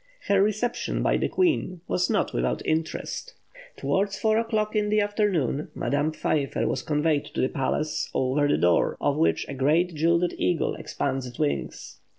Her reception by the Queen was not without interest. Towards four o'clock in the afternoon Madame Pfeiffer was conveyed to the palace, over the door of which a great gilded eagle expands its wings.